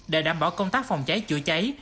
để đảm bảo công tác phòng cháy chữa cháy